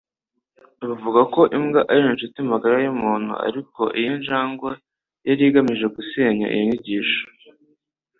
Bavuga ko imbwa ari inshuti magara yumuntu, ariko iyi njangwe yari igamije gusenya iyo nyigisho.